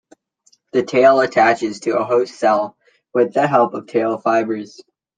The tail attaches to a host cell with the help of tail fibres.